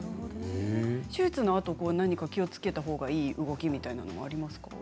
手術のあと何か気をつけたほうがいい動きとかはありますか。